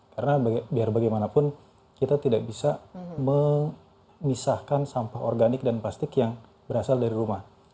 karena biar bagaimanapun kita tidak bisa memisahkan sampah organik dan plastik yang berasal dari rumah